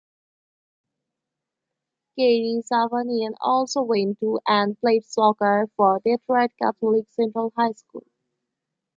Kerry Zavaginin also went to and played soccer for Detroit Catholic Central High School.